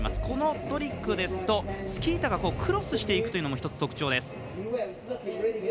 このトリックだとスキー板がクロスしていくというのも１つ特徴です。